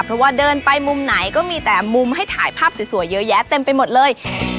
เพราะว่าเดินไปมุมไหนก็มีแต่มุมให้ถ่ายภาพสวยเยอะแยะเต็มไปหมดเลย